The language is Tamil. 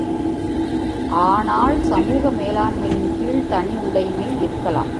ஆனால் சமூக மேலாண்மையின் கீழ் தனி உடைமை இருக்கலாம்.